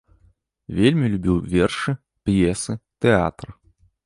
Вельмі любіў вершы, п'есы, тэатр.